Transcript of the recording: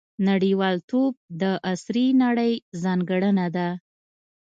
• نړیوالتوب د عصري نړۍ ځانګړنه ده.